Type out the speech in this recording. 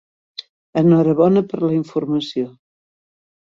Enhorabona per la informació.